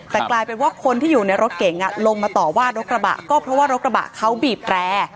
แต่กลายเป็นว่าคนที่อยู่ในรถเก๋งลงมาต่อว่ารถกระบะก็เพราะว่ารถกระบะเขาบีบแร่